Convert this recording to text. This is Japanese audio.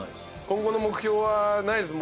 今後の目標はないです。